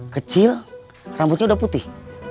kecil rambutnya udah putih